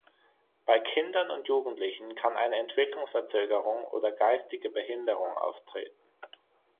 Bei Kindern und Jugendlichen kann eine Entwicklungsverzögerung oder Geistige Behinderung auftreten.